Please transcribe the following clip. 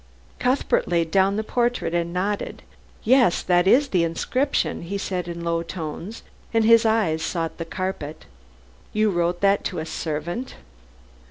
Cuthbert laid down the portrait and nodded. "Yes! That is the inscription," he said in low tones, and his eyes sought the carpet. "You wrote that to a servant."